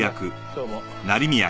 どうも。